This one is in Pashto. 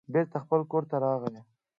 بېرته خپل کور ته راغی.